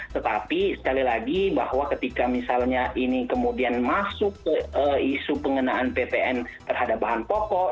tetapi sekali lagi bahwa ketika misalnya ini kemudian masuk ke isu pengenaan ppn terhadap bahan pokok